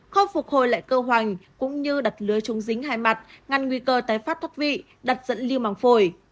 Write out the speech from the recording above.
khâu phục hồi lại cơ hoành cũng như đặt lưới trúng dính hai mặt ngăn nguy cơ tái phát thoát vị đặt dẫn lưu mảng phổi